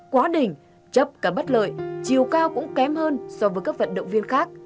quá đỉnh chấp cả bất lợi chiều cao cũng kém hơn so với các vận động viên khác